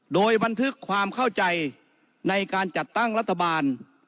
โดยบันทึกความเข้าใจในการจัดตั้งรัฐบาล